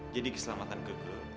jadi keselamatan keke